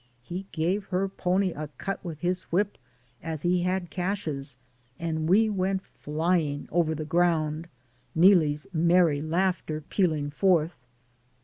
He gave her pony a cut with his whip, as he had Cash's, and we went fly ing over the ground, Neelie' s merry laugh ter pealing forth.